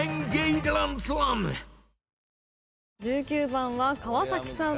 １９番は川さん。